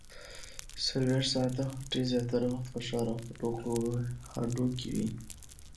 څلورویشت ساعته هټۍ زیاتره وخت په ښار او هډو کې وي